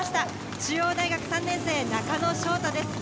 中央大学３年生・中野翔太です。